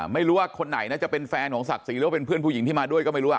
ไม่รู้ว่าคนไหนนะจะเป็นแฟนของศักดิ์ศรีหรือว่าเป็นเพื่อนผู้หญิงที่มาด้วยก็ไม่รู้